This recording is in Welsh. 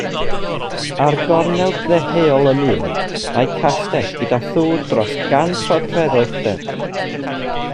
Ar gornel ddeheuol y mur mae castell gyda thŵr dros gan troedfedd o uchder.